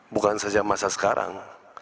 bukan saja masa sekarang